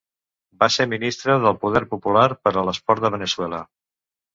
Va ser Ministra del Poder Popular per a l'Esport de Veneçuela.